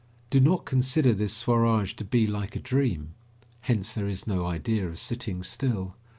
Do not consider this Swaraj to be like a dream. Hence there is no idea of sitting still.